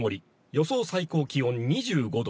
予想最高気温２５度。